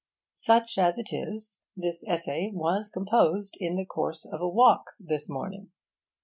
Such as it is, this essay was composed in the course of a walk, this morning.